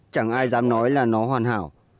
chẳng ai dám nói là nó hoàn hảo